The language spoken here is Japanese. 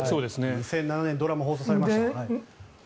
２００７年にドラマが放送されました。